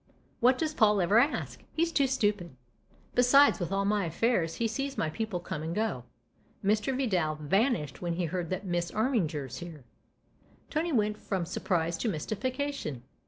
" What does Paul ever ask ? He's too stupid ! Besides, with all my affairs, he sees my people come and go. Mr. Vidal vanished when he heard that Miss Armiger's here." Tony went from surprise to mystification.